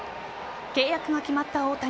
契約が決まった大谷